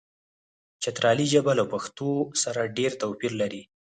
چترالي ژبه له پښتو سره ډېر توپیر لري.